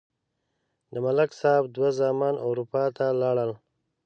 د ملک صاحب دوه زامن اروپا ته لاړل.